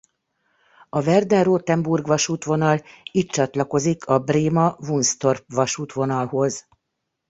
A Verden–Rotenburg-vasútvonal itt csatlakozik a Bréma–Wunstorf-vasútvonalhoz.